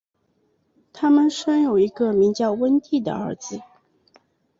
他们生有一个名叫温蒂的儿子。